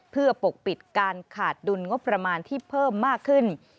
เพื่อปกปิดการขาดดุลงบประมาณที่เพิ่มมากขึ้น